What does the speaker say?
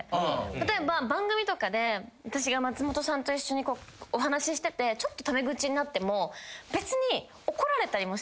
例えば番組とかで私が松本さんと一緒にお話しててちょっとタメ口になっても別に。